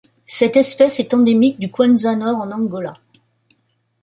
Cette espèce est endémique du Kwanza-Nord en Angola.